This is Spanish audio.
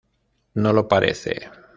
No lo parece.